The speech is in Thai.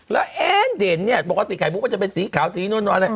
แล้วแอ้นเด่นเนี่ยปกติไข่มุกมันจะเป็นสีขาวสีนั่น